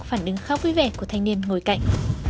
phản ứng khá vui vẻ của thanh niên ngồi cạnh